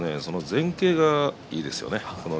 前傾がいいですよね。